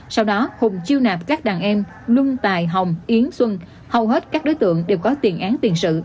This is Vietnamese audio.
sau đó hùng chiêu nạp các đàn em nung tài hồng yến xuân hầu hết các đối tượng đều có tiền án tiền sự